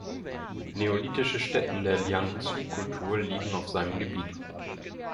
Neolithische Stätten der Liangzhu-Kultur liegen auf seinem Gebiet.